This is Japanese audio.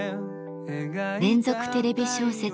連続テレビ小説